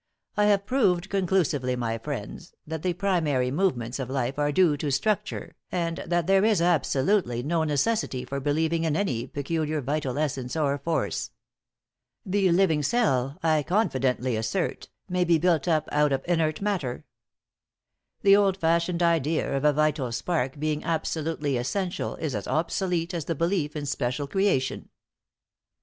I have proved conclusively, my friends, that the primary movements of life are due to structure, and that there is absolutely no necessity for believing in any peculiar vital essence or force. The living cell, I confidently assert, may be built up out of inert matter. The old fashioned idea of a vital spark being absolutely essential is as obsolete as the belief in special creation.